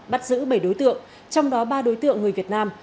bắt giữ bảy đối tượng trong đó ba đối tượng người việt nam